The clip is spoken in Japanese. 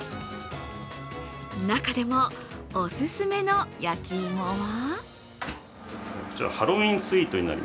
中でも、お勧めの焼き芋は？